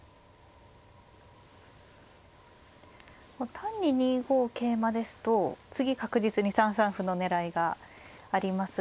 単に２五桂馬ですと次確実に３三歩の狙いがありますが。